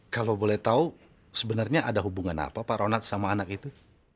kalau boleh tahu sebenarnya ada hubungan apa pak ronald sama anak itu